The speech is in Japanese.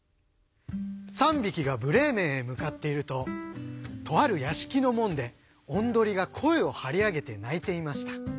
３びきがブレーメンへむかっているととあるやしきのもんでオンドリがこえをはりあげてないていました。